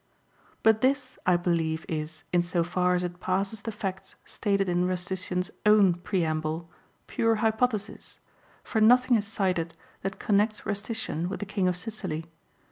But this I believe is, in so far as it passes the facts stated in Rustician's own preamble, pure hypothesis, for nothing is cited that connects Rustician with the King of Sicily.